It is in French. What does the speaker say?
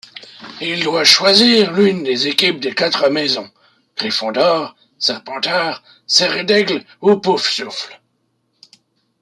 Il doit choisir l'une des équipes des quatre maisons, Gryffondor, Serpentard, Serdaigle ou Poufsouffle.